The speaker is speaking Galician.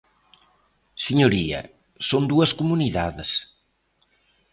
Señoría, son dúas comunidades.